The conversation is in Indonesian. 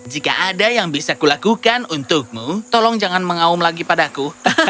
jika ada yang bisa kulakukan untukmu tolong jangan mengaum lagi padaku